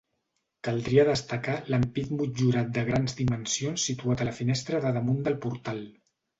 Caldria destacar l'ampit motllurat de grans dimensions situat a la finestra de damunt del portal.